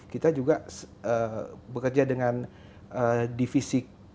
kita juga bekerja dengan divisi kreatif